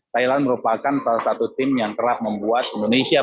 thailand merupakan salah satu tim yang kerap membuat indonesia